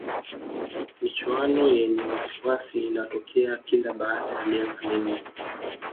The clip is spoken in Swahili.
michuano yenye wasiwasi inatokea kila baada ya miaka minne